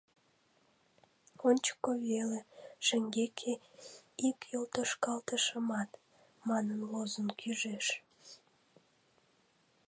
«Ончыко веле, шеҥгеке ик йолтошкалтышымат!» манын, лозунг ӱжеш.